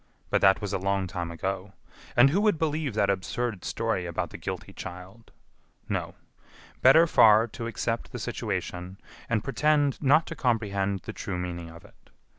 But that was a long time ago! And who would believe that absurd story about the guilty child? No; better far to accept the situation, and pretend not to comprehend the true meaning of it.